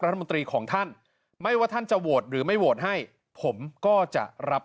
รัฐมนตรีของท่านไม่ว่าท่านจะโหวตหรือไม่โหวตให้ผมก็จะรับ